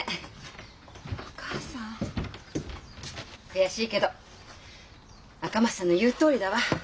悔しいけど赤松さんの言うとおりだわ。